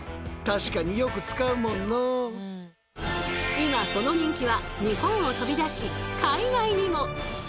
今その人気は日本を飛び出し海外にも！